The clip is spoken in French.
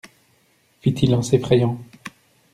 Fit-il, en s'effrayant.